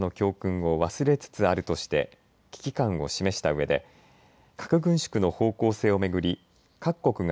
そして人類は広島と長崎の惨禍の教訓を忘れつつあるとして危機感を示したうえで核軍縮の方向性を巡り